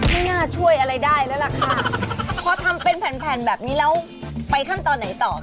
ไม่น่าช่วยอะไรได้แล้วล่ะค่ะเพราะทำเป็นแผ่นแบบนี้แล้วไปขั้นตอนไหนต่อค่ะพี่สิ